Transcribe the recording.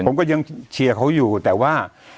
ผมก็ยังเชียร์เขาอยู่แต่ว่า